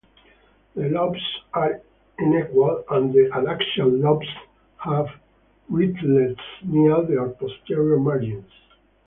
The lobes are unequal and the adaxial lobes have bristles near their posterior margins.